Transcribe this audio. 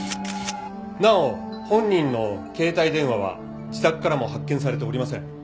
なお本人の携帯電話は自宅からも発見されておりません。